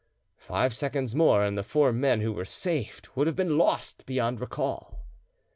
Five seconds more, and the four men who were saved would have been lost beyond recall!